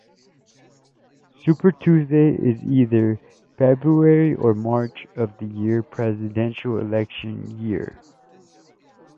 Super Tuesday is in either February or March of the presidential election year.